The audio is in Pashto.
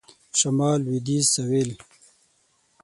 شمال .. لویدیځ .. سوېل ..